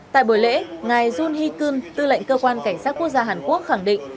tại buổi lễ ngài jun hee keun tư lệnh cơ quan cảnh sát quốc gia hàn quốc khẳng định